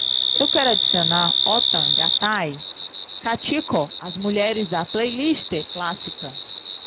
Eu quero adicionar Ottagathai Kattiko às mulheres da playlist clássica.